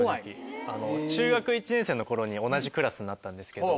中学１年生の頃に同じクラスになったんですけど。